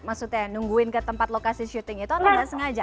maksudnya nungguin ke tempat lokasi syuting itu atau nggak sengaja